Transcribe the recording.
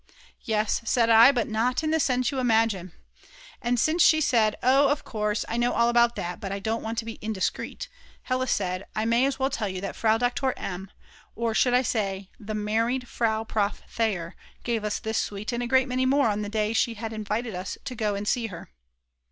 "Yes," said I, "but not in the sense you imagine." And since she said: "Oh, of course, I know all about that, but I don't want to be indiscreet," Hella said: "I may as well tell you that Frau Doktor M., or I should say the married Frau Prof. Theyer, gave us this sweet and a great many more on the day she had invited us to go and see her."